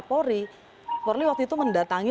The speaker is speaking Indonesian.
pori porli waktu itu mendatangi